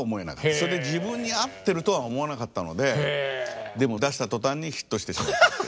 それで自分に合ってるとは思わなかったのででも出した途端にヒットしてしまったと。